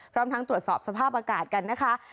พร้อมทั้งตรวจสอบสภาพอากาศกันนะคะ